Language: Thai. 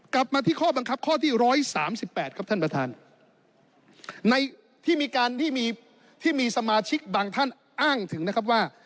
กลับมาที่ข้อบังคับข้อที่ร้อยสามสิบแปดครับท่านประธานในที่มีการที่มีที่มีสมาชิกบางท่านอ้างถึงนะครับว่า